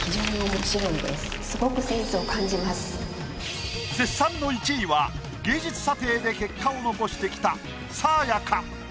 すごく絶賛の１位は芸術査定で結果を残してきた。